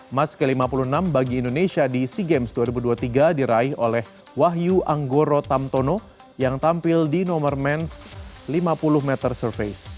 emas ke lima puluh enam bagi indonesia di sea games dua ribu dua puluh tiga diraih oleh wahyu anggoro tamtono yang tampil di nomor ⁇ mens lima puluh meter surface